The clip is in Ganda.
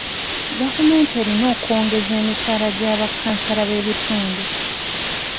Gavumenti erina okwongeza e misaala gy'abakansala b'ebitundu.